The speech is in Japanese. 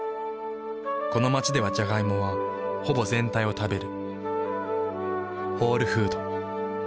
この街ではジャガイモはほぼ全体を食べる。